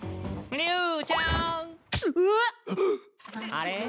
あれ？